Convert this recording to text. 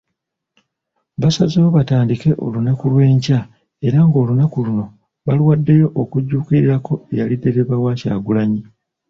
Basazeewo batandike olunaku lw'enkya era ng'olunaku luno baluwaddewo okujjukirirako eyali ddereeva wa Kyagulanyi.